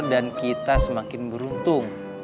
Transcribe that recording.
dan kita semakin beruntung